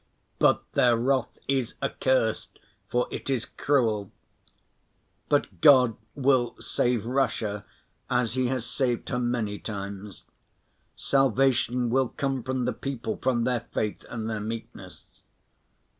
But their "wrath is accursed, for it is cruel." But God will save Russia as He has saved her many times. Salvation will come from the people, from their faith and their meekness.